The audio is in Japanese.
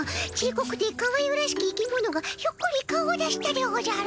こくてかわゆらしき生き物がひょっこり顔を出したでおじゃる。